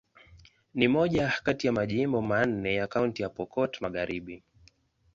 Ni moja kati ya majimbo manne ya Kaunti ya Pokot Magharibi.